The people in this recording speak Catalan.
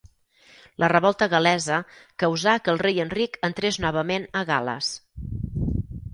La revolta gal·lesa causà que el rei Enric entrés novament a Gal·les.